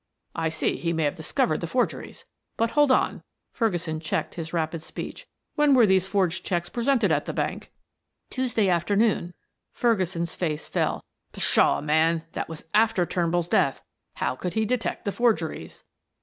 "I see; he may have discovered the forgeries but hold on." Ferguson checked his rapid speech. "When were these forged checks presented at the bank?" "Tuesday afternoon." Ferguson's face fell. "Pshaw! man; that was after Turnbull's death how could he detect the forgeries?"